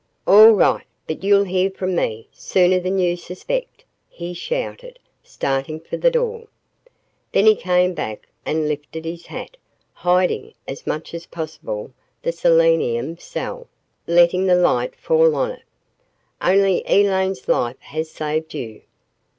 "All right but you'll hear from me sooner than you suspect," he shouted, starting for the door. Then he came back and lifted his hat, hiding as much as possible the selenium cell, letting the light fall on it. "Only Elaine's life has saved you."